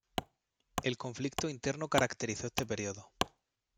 El conflicto interno caracterizó este período.